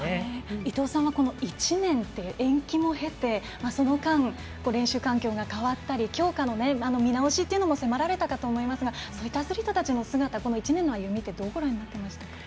伊藤さんは１年という延期も経てその間、練習環境が変わったり強化の見直しっていうのも迫られたかと思いますがそういったアスリートの姿この１年の歩みってどうご覧になってました？